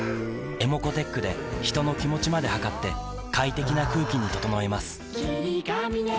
ｅｍｏｃｏーｔｅｃｈで人の気持ちまで測って快適な空気に整えます